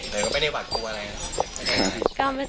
เธอก็ไม่ได้หวัดกลัวอะไรอะ